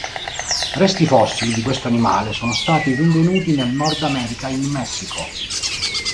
Resti fossili di questo animale sono stati rinvenuti nel Nord America in Messico.